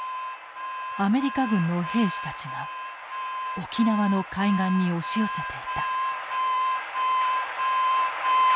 アメリカ軍の兵士たちが沖縄の海岸に押し寄せていた。